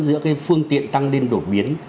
giữa cái phương tiện tăng lên đột biến